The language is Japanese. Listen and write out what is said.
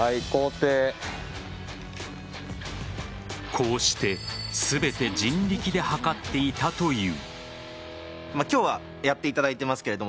こうして全て人力で測っていたという。